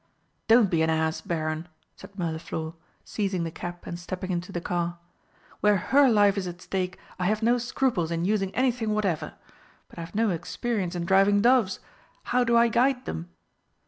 "Don't be an ass, Baron!" said Mirliflor, seizing the cap and stepping into the car. "Where her life is at stake I have no scruples in using anything whatever. But I've no experience in driving doves how do I guide them?"